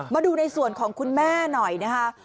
มาดูในส่วนของคุณแม่หน่อยนะคะ